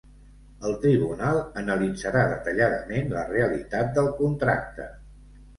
El tribunal analitzarà detalladament la realitat del contracte.